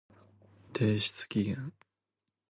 提出期限